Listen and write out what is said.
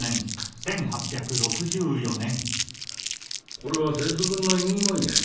これは節分の縁起もんや。